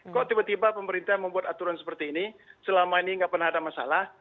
kok tiba tiba pemerintah membuat aturan seperti ini selama ini nggak pernah ada masalah